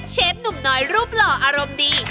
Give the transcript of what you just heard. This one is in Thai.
หนุ่มน้อยรูปหล่ออารมณ์ดี